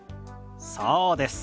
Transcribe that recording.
そうです。